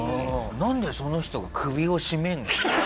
なんでその人が首を絞めるの？